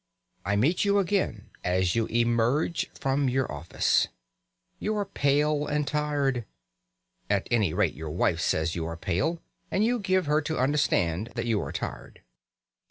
I meet you again as you emerge from your office. You are pale and tired. At any rate, your wife says you are pale, and you give her to understand that you are tired.